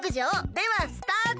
ではスタート！